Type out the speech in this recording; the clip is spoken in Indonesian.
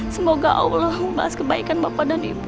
semoga allah membahas kebaikan bapak dan ibu